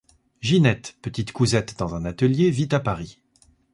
Ginette, petite cousette dans un atelier, vit à Paris.